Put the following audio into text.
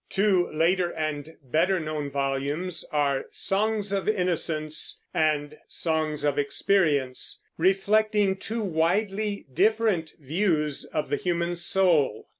Two later and better known volumes are Songs of Innocence and Songs of Experience, reflecting two widely different views of the human soul.